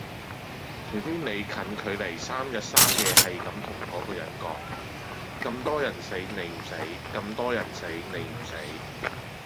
除非你近距離三日三夜係咁同個個人講：咁多人死你唔死，咁多人死你唔死